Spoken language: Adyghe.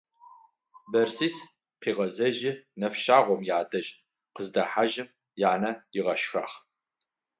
Бэрсис къыгъэзэжьи, нэфшъагъом ядэжь къыздэхьажьым янэ ыгъэшхагъ.